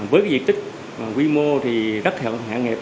với diện tích quy mô thì rất hạn nghiệp